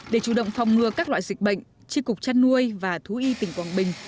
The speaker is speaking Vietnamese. để chủ động phòng ngừa các loại dịch bệnh tri cục chăn nuôi và thú y tỉnh quảng bình